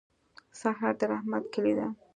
سهار د رحمت کلي ده.